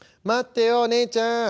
「待ってよお姉ちゃん」。